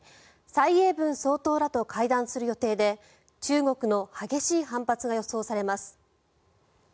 蔡英文総統らと会談する予定で中国の激しい反発が予想されます。